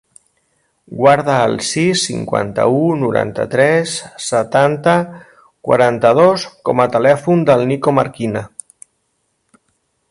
Guarda el sis, cinquanta-u, noranta-tres, setanta, quaranta-dos com a telèfon del Nico Marquina.